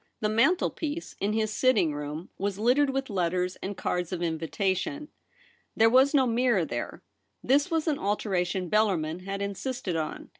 The mantelpiece in his sitting room was 192 THE REBEL ROSE. littered with letters and cards of invitation. There was no mirror there ; this was an alteration Bellarmin had insisted on.